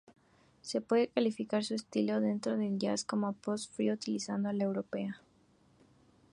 Se puede calificar su estilo dentro del jazz como post-free estilizado "a la europea".